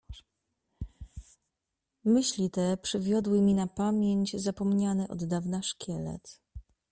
Myśli te przywiodły mi na pamięć zapomniany od dawna szkielet.